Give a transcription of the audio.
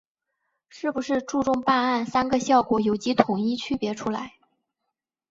是不是注重办案‘三个效果’有机统一区别出来